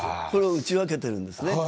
これを打ち分けているんです。